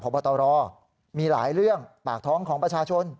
พบตรมีหลายเรื่องปากท้องของประชาชน